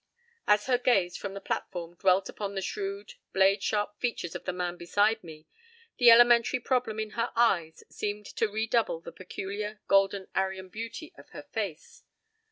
p> As her gaze, from the platform, dwelt upon the shrewd, blade sharp features of the man beside me, the elementary problem in her eyes seemed to redouble the peculiar, golden, Aryan beauty of her face.